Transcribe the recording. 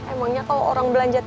emangnya kalau orang belanja